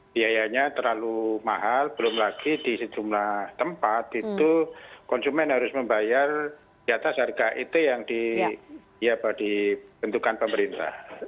biayanya terlalu mahal belum lagi di sejumlah tempat itu konsumen harus membayar di atas harga itu yang dibentukan pemerintah